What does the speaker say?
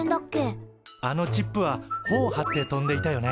あのチップはほを張って飛んでいたよね。